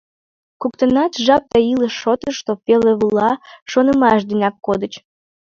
Коктынат жап да илыш шотышто пеле-вула шонымаш денак кодыч.